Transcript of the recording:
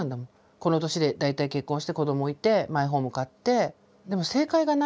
この年で大体結婚して子どもいてマイホーム買って。